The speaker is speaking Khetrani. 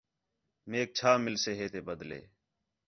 میک چھا ملسے ہے تے بدلے